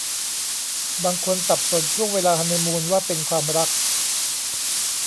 บางคนสับสนช่วงเวลาฮันนีมูนว่าเป็นความรัก